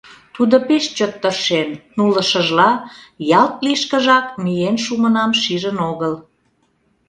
Тудо пеш чот тыршен нулышыжла ялт лишкыжак миен шумынам шижын огыл.